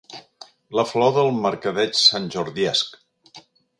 La flor del mercadeig santjordiesc.